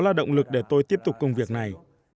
là động lực để tôi tiếp tục công việc này